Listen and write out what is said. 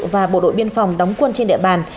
và bộ đội biên phòng đóng quân trên địa bàn